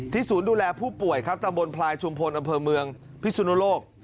ศูนย์ดูแลผู้ป่วยครับตะบนพลายชุมพลอำเภอเมืองพิสุนโลก